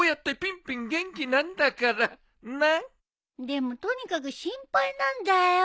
でもとにかく心配なんだよ。